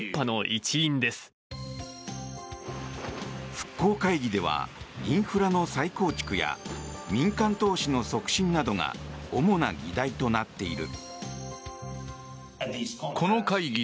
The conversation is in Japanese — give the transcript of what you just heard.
復興会議ではインフラの再構築や民間投資の促進などが主な議題となっている。